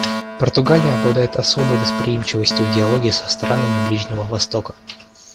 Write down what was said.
Португалия обладает особой восприимчивостью в диалоге со странами Ближнего Востока.